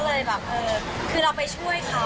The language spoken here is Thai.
เลยแบบเออคือเราไปช่วยเขา